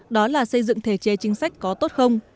đó là xây dựng thể chế chính sách có tốt không